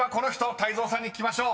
泰造さんに聞きましょう］